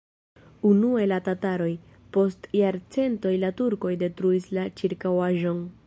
Unue la tataroj, post jarcentoj la turkoj detruis la ĉirkaŭaĵon.